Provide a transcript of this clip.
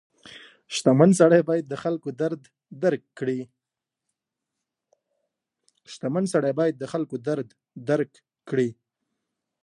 • شتمن سړی باید د خلکو درد درک کړي.